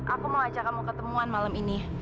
aku mau ajak kamu ketemuan malam ini